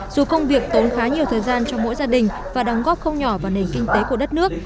dù công việc tốn khá nhiều thời gian cho mỗi gia đình và đóng góp không nhỏ vào nền kinh tế của đất nước